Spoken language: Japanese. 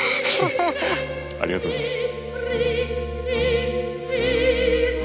ありがとうございます。